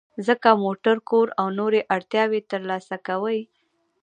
ځکه موټر، کور او نورې اړتیاوې ترلاسه کوئ.